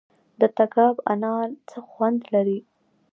د تګاب انار څه خوند لري؟